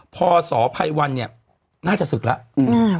พศภัยวันเนี่ยน่าจะศึกแล้ว